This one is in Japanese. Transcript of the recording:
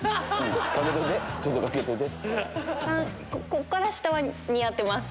こっから下は似合ってます。